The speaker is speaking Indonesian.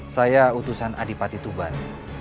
saya utusan adipati tuban